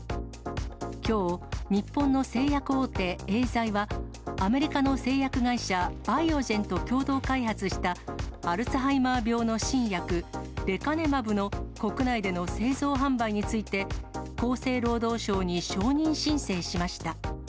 きょう、日本の製薬大手エーザイは、アメリカの製薬会社、バイオジェンと共同開発したアルツハイマー病の新薬、レカネマブの国内での製造販売について、厚生労働省に承認申請しました。